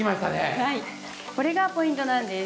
はいこれがポイントなんです。